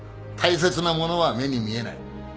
「大切なものは目に見えない」